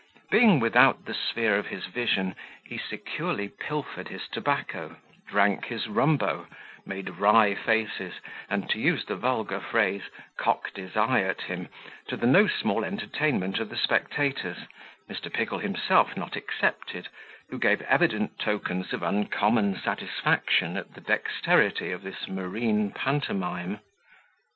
Being without the sphere of his vision, he securely pilfered his tobacco, drank his rumbo, made wry faces, and, to use the vulgar phrase, cocked his eye at him, to the no small entertainment of the spectators, Mr. Pickle himself not excepted, who gave evident tokens of uncommon satisfaction at the dexterity of this marine pantomime.